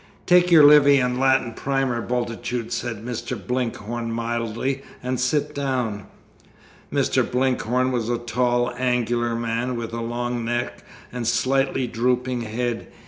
"Take your Livy and Latin Primer, Bultitude," said Mr. Blinkhorn mildly, "and sit down." Mr. Blinkhorn was a tall angular man, with a long neck and slightly drooping head.